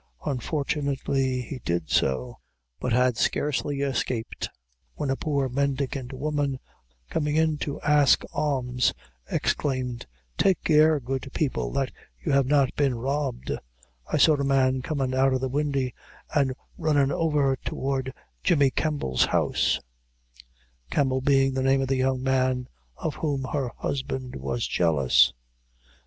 Unfortunately he did so, but had scarcely escaped, when a poor mendicant woman, coming in to ask alms, exclaimed "Take care, good people, that you have not been robbed I saw a man comin' out of the windy, and runnin' over toward Jemmy Campel's house" Campel being the name of the young man of whom her husband was jealous.